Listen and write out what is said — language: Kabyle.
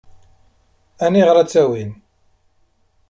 Aniɣer ad tt-awin?